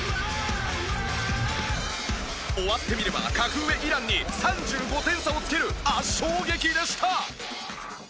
終わってみれば格上イランに３５点差をつける圧勝劇でした！